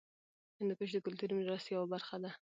هندوکش د کلتوري میراث یوه برخه ده.